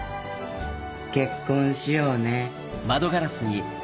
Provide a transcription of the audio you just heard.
結婚しようね。